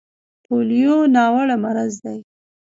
پولیو ناوړه مرض دی.